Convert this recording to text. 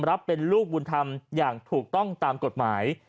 รับเป็นลูกบุญธรรมอย่างถูกต้องตามกฎหมาย